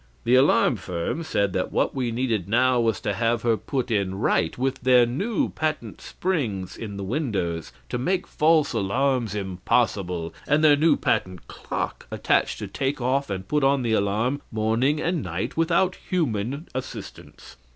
The alarm firm said that what we needed now was to have her put in right with their new patent springs in the windows to make false alarms impossible, and their new patent clock attached to take off and put on the alarm morning and night without human assistance.